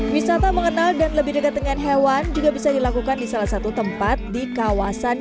wisata mengenal dan lebih dekat dengan hewan juga bisa dilakukan di salah satu tempat di kawasan